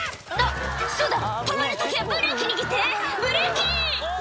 「そうだ止まる時はブレーキ握ってブレーキ！」